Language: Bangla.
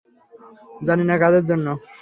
জানিনা কাদের জন্য।